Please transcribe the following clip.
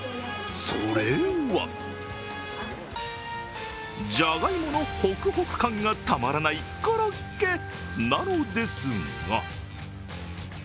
それはじゃがいものホクホク感がたまらないコロッケなのですが。